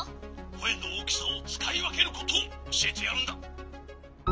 「こえのおおきさをつかいわけることをおしえてやるんだ」。